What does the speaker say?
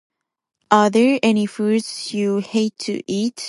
Are there any food you hate to eat?